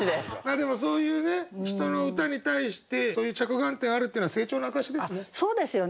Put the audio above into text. でもそういうね人の歌に対してそういう着眼点あるっていうのは成長の証しですね。